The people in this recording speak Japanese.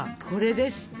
これです。